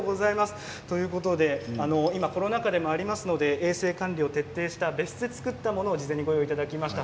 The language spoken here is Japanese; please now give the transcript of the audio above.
今、コロナ禍でもありますので衛生管理を徹底した別室で作ったものをご用意いただきました。